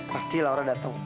pasti laura datang